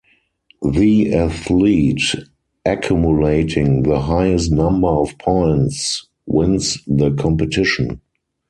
The athlete accumulating the highest number of points wins the competition.